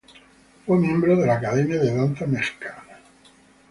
Fue miembro de la Academia de Danza Mexicana.